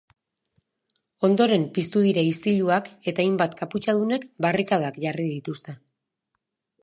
Ondoren piztu dira istiluak eta hainbat kaputxadunek barrikadak jarri dituzte.